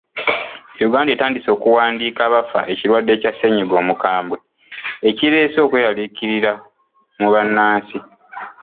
Uganda etandise okuwandiika abafa ekirwadde kya ssennyiga omukambwe ekireese ekweraliikirira mu bannansi.